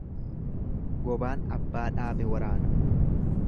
Gobaan abbaa dhaabe waraana.